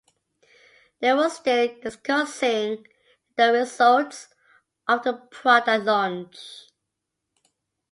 They were still discussing the results of the product launch.